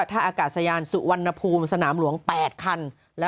ท่าอากาศยานสุวรรณภูมิสนามหลวง๘คัน